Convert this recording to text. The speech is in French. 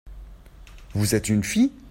Vous êtes une fille ?